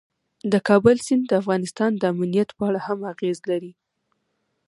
د کابل سیند د افغانستان د امنیت په اړه هم اغېز لري.